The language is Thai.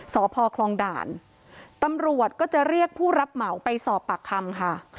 สพคลองด่านตำรวจก็จะเรียกผู้รับเหมาไปสอบปากคำค่ะ